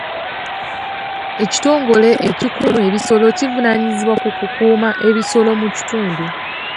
Ekitongole ekikuuma ebisolo kivunaanyizibwa ku kukuuma ebisolo mu kitundu.